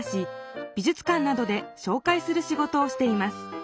美術館などで紹介する仕事をしています。